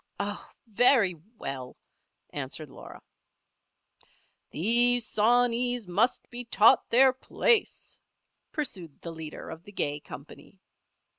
"Oh! very well!" answered Laura. "These sawneys must be taught their place," pursued the leader of the gay company.